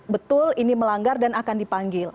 betul ini melanggar dan akan dipanggil